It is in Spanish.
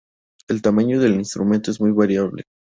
El tamaño del instrumento es muy variable.